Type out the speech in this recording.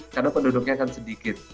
karena penduduknya kan sedikit